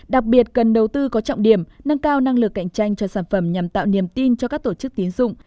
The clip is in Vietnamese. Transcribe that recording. đặc biệt cần đầu tư có trọng điểm nâng cao năng lực cạnh tranh cho sản phẩm nhằm tạo niềm tin cho các tổ chức tiến dụng